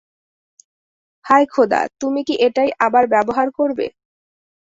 হায় খোদা, তুমি কি এটাই আবার ব্যবহার করবে?